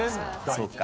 そうか。